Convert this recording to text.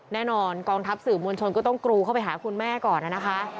แน่นอนกองทัพสื่อมวลชนก็ต้องกรูเข้าไปหาคุณแม่ก่อนนะคะ